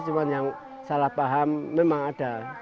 cuma yang salah paham memang ada